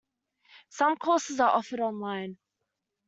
Some courses are offered online.